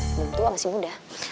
orang tua masih muda